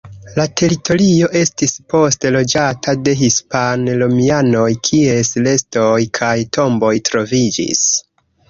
La teritorio estis poste loĝata de hispan-romianoj, kies restoj kaj tomboj troviĝis.